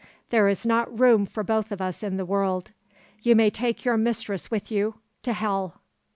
There is not room for both of us in the world. You may take your mistress with you to hell."